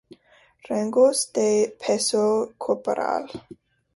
rangos de peso corporal